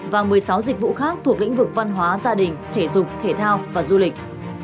và một mươi sáu dịch vụ khác thuộc lĩnh vực văn hóa gia đình thể dục thể thao và du lịch